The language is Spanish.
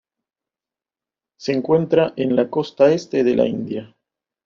Se encuentra en la costa este de la India.